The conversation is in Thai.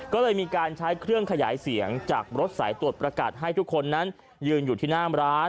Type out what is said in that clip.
ก็เลยมีการใช้เครื่องขยายเสียงจากรถสายตรวจประกาศให้ทุกคนนั้นยืนอยู่ที่หน้าร้าน